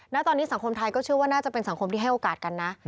ณตอนนี้สังคมไทยก็เชื่อว่าน่าจะเป็นสังคมที่ให้โอกาสกันนะ